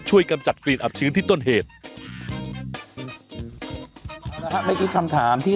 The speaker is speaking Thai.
ทางการจะประกาศไหมว่าเป็นโรคพันธรรมถิ่น